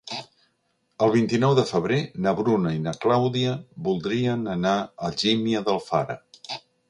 El vint-i-nou de febrer na Bruna i na Clàudia voldrien anar a Algímia d'Alfara.